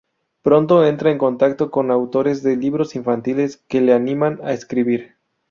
Pronto entra en contacto con autores de libros infantiles, que la animan a escribir.